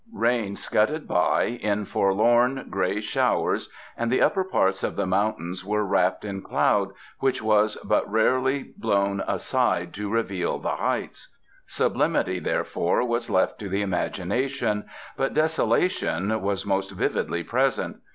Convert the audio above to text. Rain scudded by in forlorn, grey showers, and the upper parts of the mountains were wrapped in cloud, which was but rarely blown aside to reveal the heights. Sublimity, therefore, was left to the imagination; but desolation was most vividly present.